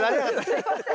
すいません。